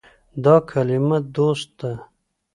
دا کلمه “دوست” ده.